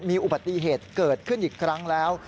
มีอุบัติเหตุเกิดขึ้นอีกครั้งแล้ว